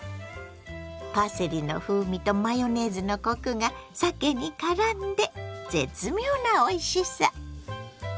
パセリの風味とマヨネーズのコクがさけにからんで絶妙なおいしさ。